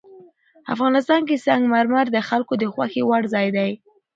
افغانستان کې سنگ مرمر د خلکو د خوښې وړ ځای دی.